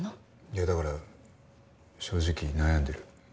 いやだから正直悩んでる。